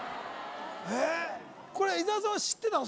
へえこれ伊沢さんは知ってたの？